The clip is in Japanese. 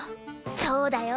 そうだよ。